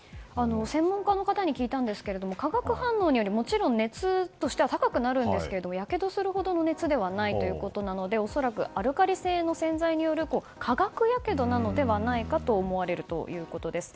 専門家の方に聞いたんですが化学反応によりもちろん熱としては高くなるんですけどやけどするほどの熱ではないということで恐らくアルカリ性の洗剤による化学やけどなのではないかと思われるということです。